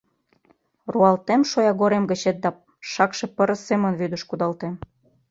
— Руалтем шоягорем гычет да шакше пырыс семын вӱдыш кудалтем.